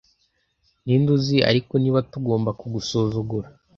ninde uzi ariko niba tugomba kugusuzugura